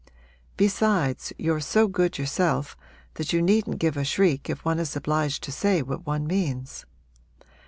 Besides, you're so good yourself that you needn't give a shriek if one is obliged to say what one means.